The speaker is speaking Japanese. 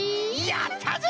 やったぜ！